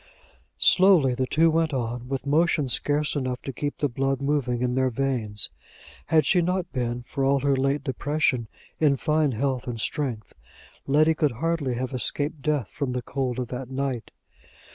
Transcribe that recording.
Slowly the two went on, with motion scarce enough to keep the blood moving in their veins. Had she not been, for all her late depression, in fine health and strength, Letty could hardly have escaped death from the cold of that night.